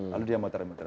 lalu dia muter muter